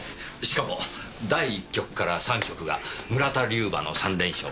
しかも第一局から三局が村田龍馬の三連勝。